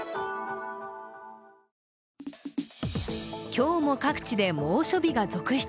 今日も各地で猛暑日が続出。